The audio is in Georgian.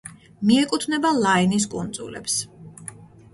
მიეკუთვნება ლაინის კუნძულებს.